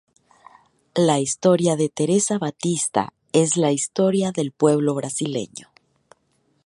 La historia de Tereza Batista es la historia del pueblo brasileño.